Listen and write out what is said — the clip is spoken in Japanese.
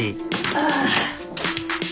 ああ。